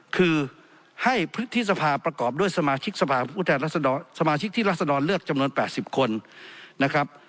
คือให้พฤทธิสภาประกอบด้วยสมาชิกที่ราศดรณ์เลือกจำนวน๘๐คนนะครับ